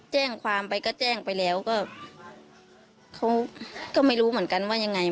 แจ้งความไปก็แจ้งไปแล้วก็เขาก็ไม่รู้เหมือนกันว่ายังไง